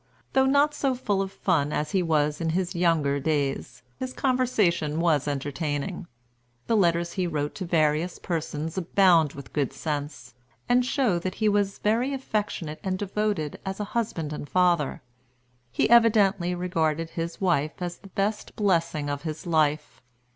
Though not so full of fun as he was in his younger days, his conversation was entertaining. The letters he wrote to various persons abound with good sense, and show that he was very affectionate and devoted as a husband and father. He evidently regarded his wife as the best blessing of his life.